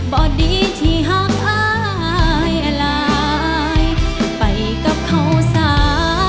บ่อดีที่ฮักอายอะไรไปกับเขาสา